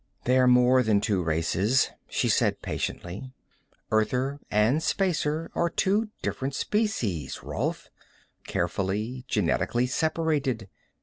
"They're more than two races," she said patiently. "Earther and Spacer are two different species, Rolf. Carefully, genetically separated.